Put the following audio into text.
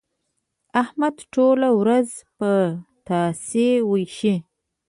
احمد ټوله ورځ پتاسې وېشي.